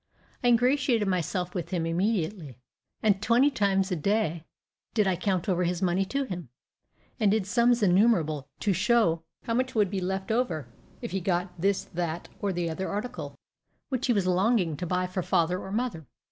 I ingratiated myself with him immediately; and twenty times a day did I count over his money to him, and did sums innumerable to show how much would be left if he got this, that, or the other article, which he was longing to buy for father or mother.